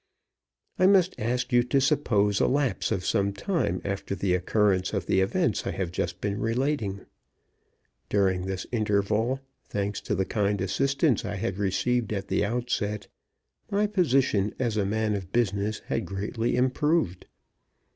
I must ask you to suppose a lapse of some time after the occurrence of the events that I have just been relating. During this interval, thanks to the kind assistance I had received at the outset, my position as a man of business had greatly improved.